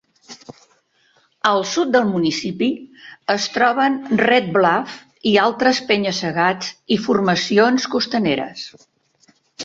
Al sud del municipi, es troben Red Bluff i altres penya-segats i formacions costaneres.